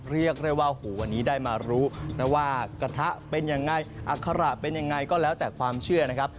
เรียกได้ว่าหูวันนี้ได้มารู้นะว่ากระทะเป็นยังไงอัคระเป็นยังไงก็แล้วแต่ความเชื่อนะครับ